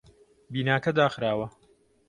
بیناکە داخراوە.